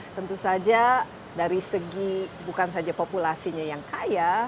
tentu saja dari segi bukan saja populasinya yang kaya